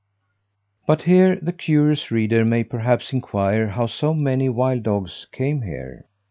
But here the curious reader may perhaps inquire how so many wild dogs came here.